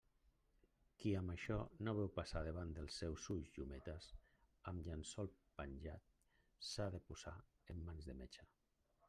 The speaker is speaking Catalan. Qui amb això no veu passar davant dels seus ulls llumetes amb llençol penjat, s'ha de posar en mans de metge.